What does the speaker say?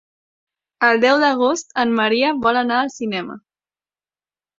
El deu d'agost en Maria vol anar al cinema.